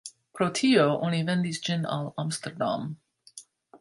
Pro tio oni vendis ĝin al Amsterdam.